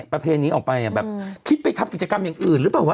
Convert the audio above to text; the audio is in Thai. ประเพณีออกไปแบบคิดไปทำกิจกรรมอย่างอื่นหรือเปล่าวะ